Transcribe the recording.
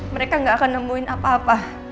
mereka gak akan nemuin apa apa